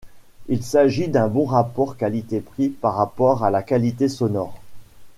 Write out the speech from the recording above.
Il s'agit d'un bon rapport qualité-prix par rapport à la qualité sonore.